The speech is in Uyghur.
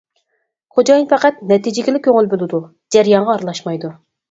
خوجايىن پەقەت نەتىجىگىلا كۆڭۈل بۆلىدۇ، جەريانغا ئارىلاشمايدۇ.